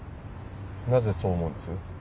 なぜそう思うんです？